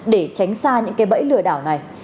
để tránh xa những cái bẫy lừa đảo này